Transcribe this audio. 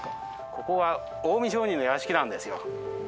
ここは近江商人の屋敷なんですよ。